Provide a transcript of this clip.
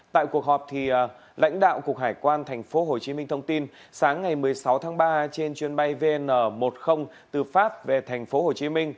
tại cuộc họp lãnh đạo cục hải quan tp hcm thông tin sáng ngày một mươi sáu tháng ba trên chuyến bay vn một mươi từ pháp về tp hcm